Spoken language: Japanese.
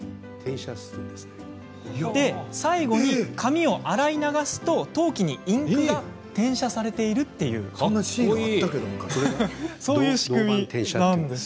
最後に紙を洗い流すと陶器にインクが転写されているという仕組みです。